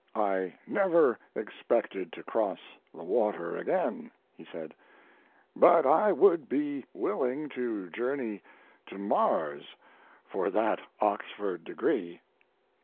"I never expected to cross the water again," he said; "but I would be willing to journey to Mars for that Oxford degree."